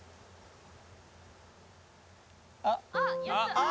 「あっ」